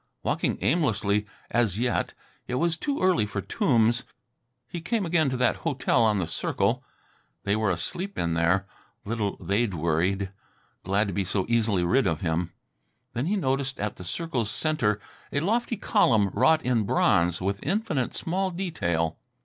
Walking aimlessly as yet it was too early for tombs he came again to that hotel on the circle. They were asleep in there. Little they'd worried glad to be so easily rid of him. Then he noticed at the circle's centre a lofty column wrought in bronze with infinite small detail.